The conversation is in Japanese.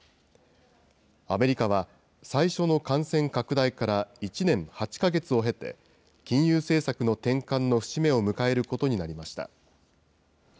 アメリカは最初の感染拡大から１年８か月を経て、金融政策の転換の節目を迎えることになりました。